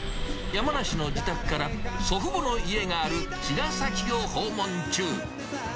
山梨の自宅から、祖父母の家がある茅ヶ崎を訪問中。